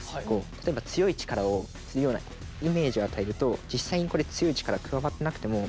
例えば強い力をするようなイメージを与えると実際にこれ強い力加わってなくても。